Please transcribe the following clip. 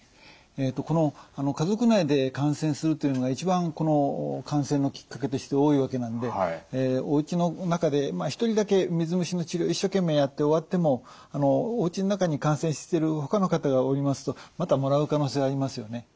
この家族内で感染するというのが一番感染のきっかけとして多いわけなのでおうちの中で一人だけ水虫の治療を一生懸命やって終わってもおうちの中に感染してるほかの方がおりますとまたもらう可能性がありますよね。